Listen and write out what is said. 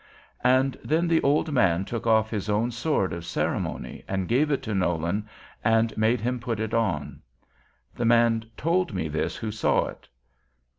And then the old man took off his own sword of ceremony, and gave it to Nolan, and made him put it on. The man told me this who saw it.